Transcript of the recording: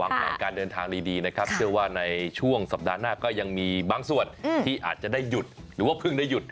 แผนการเดินทางดีนะครับเชื่อว่าในช่วงสัปดาห์หน้าก็ยังมีบางส่วนที่อาจจะได้หยุดหรือว่าเพิ่งได้หยุด